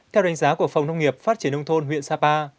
theo đánh giá của phòng nông nghiệp phát triển nông thôn huyện sapa